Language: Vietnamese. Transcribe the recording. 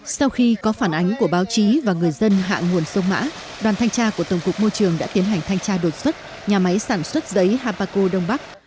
sau khi có phản ánh của báo chí và người dân hạ nguồn sông mã đoàn thanh tra của tổng cục môi trường đã tiến hành thanh tra đột xuất nhà máy sản xuất giấy habaco đông bắc